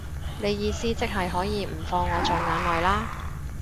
你意思即係可以唔放我在眼內啦